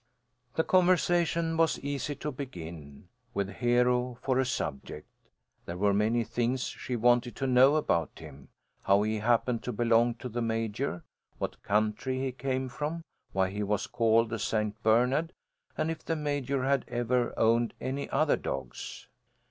The conversation was easy to begin, with Hero for a subject. There were many things she wanted to know about him: how he happened to belong to the Major; what country he came from; why he was called a St. Bernard, and if the Major had ever owned any other dogs.